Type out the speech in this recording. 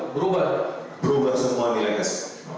berubah semua nilai hes